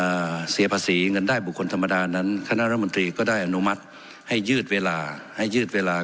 อ่าเสียภาษีเงินได้บุคคลธรรมดานั้นคณะรัฐมนตรีก็ได้อนุมัติให้ยืดเวลาให้ยืดเวลา